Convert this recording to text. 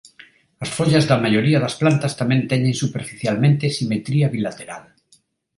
As follas da maioría das plantas tamén teñen superficialmente simetría bilateral.